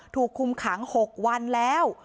ถูกคุมขัง๖วันแล้ว